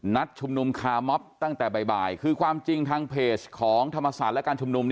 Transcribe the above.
ชุมนุมคาร์มอบตั้งแต่บ่ายคือความจริงทางเพจของธรรมศาสตร์และการชุมนุม